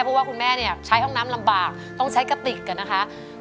เพราะว่าคุณแม่เนี่ยใช้ห้องน้ำลำบากต้องใช้กระติกนะคะ